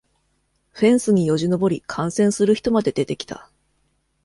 フェンスによじ登り観戦する人まで出てきた